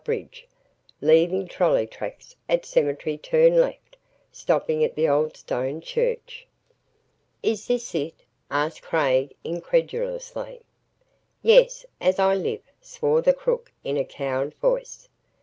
bridge, leaving trolley tracks; at cemetery turn left, stopping at the old stone church." "Is this it?" asked Craig incredulously. "Yes as I live," swore the crook in a cowed voice.